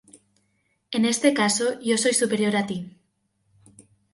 En este caso yo soy superior a ti".